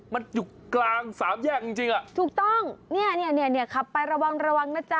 มันอยู่กลางสามแยกจริงจริงอ่ะถูกต้องเนี่ยเนี่ยขับไประวังระวังนะจ๊